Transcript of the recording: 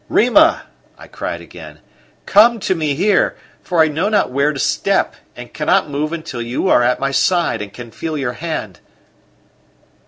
"Rima," I cried again, "come to me here, for I know not where to step, and cannot move until you are at my side and I can feel your hand."